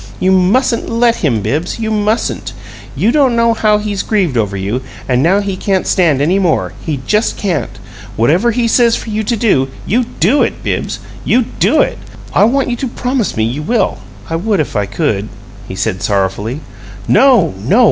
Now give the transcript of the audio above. You mustn't LET him, Bibbs you mustn't! You don't know how he's grieved over you, and now he can't stand any more he just can't! Whatever he says for you to do, you DO it, Bibbs, you DO it! I want you to promise me you will." "I would if I could," he said, sorrowfully. "No, no!